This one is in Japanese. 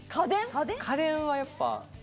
家電はやっぱ。